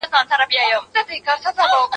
زه به د درسونو يادونه کړې وي،